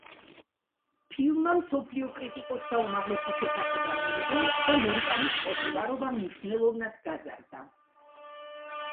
ფილმმა მსოფლიო კრიტიკოსთა უმაღლესი შეფასება მიიღო და მონტანის პოპულარობა მნიშვნელოვნად გაზარდა.